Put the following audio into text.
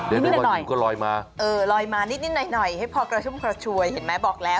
อ๋อหรือนิดนึงหน่อยลอยมาให้พอกระชุมกระชวยเห็นไหมบอกแล้ว